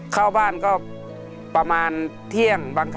เข้าบ้านก็ประมาณเที่ยงบางครั้ง